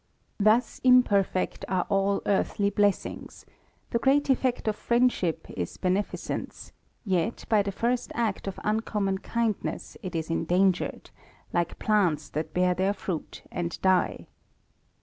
Thus imperfed are all earthly blessings; the great effect of friendship i beneficence, yet by the first act of uncommon kindness I THE RAMBLER. 95 is endangered, like plants that bear their fruit and die.